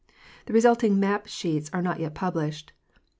The resulting map sheets are not yet published.